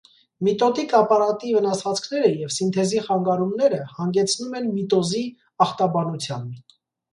Միտոտիկ ապարատի վնասվածքները և սինթեզի խանգարումները հանգեցնում են միտոզի ախտաբանության։